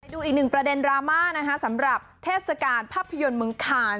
ดูอีกหนึ่งประเด็นดราม่านะคะสำหรับเทศกาลภาพยนตร์เมืองคาน